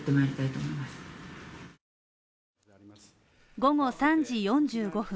午後３時４５分